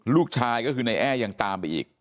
ลูกชายก็คือในแอร์ยังตามไปอีก